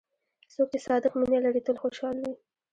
څوک چې صادق مینه لري، تل خوشحال وي.